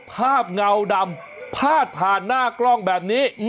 เงาดำพาดผ่านหน้ากล้องแบบนี้